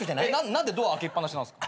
何でドア開けっ放しなんですか？